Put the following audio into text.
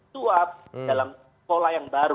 suap dalam pola yang baru